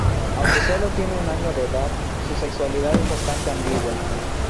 Aunque solo tiene un año de edad, su sexualidad es bastante ambigua.